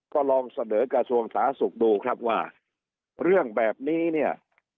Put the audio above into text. ก็ลองเสนอกระทรวงสาธารณสุขดูครับว่าเรื่องแบบนี้เนี่ย